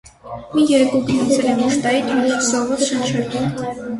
Մի երեկո գնացել էի Մուշտայիդ մի քիչ զով օդ շնչելու: